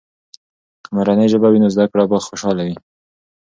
که مورنۍ ژبه وي، نو زده کړه به خوشحاله وي.